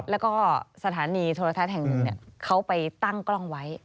แล้วก็สถานีโทรทัศน์แห่งหนึ่งเขาไปตั้งกล้องไว้